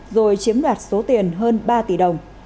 rồi chiếm đoạt số tiền hơn ba tỷ đồng